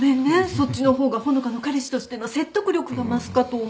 そっちの方が穂香の彼氏としての説得力が増すかと思って。